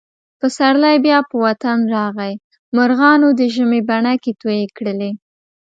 پسرلی بیا په وطن راغی. مرغانو د ژمي بڼکې تویې کړلې.